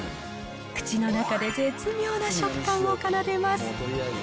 口の中で絶妙な食感を奏でます。